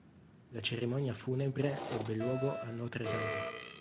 La cerimonia funebre ebbe luogo a Notre-Dame.